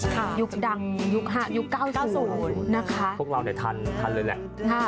ค่ะยุคดังยุคห่ายุคเก้าศูนย์นะคะพวกเราเนี้ยทันทันเลยแหละค่ะ